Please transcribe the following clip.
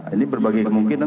ini berbagai kemungkinan